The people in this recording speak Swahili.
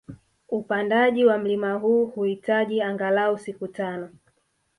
Upandaji wa mlima huu huhitaji angalau siku tano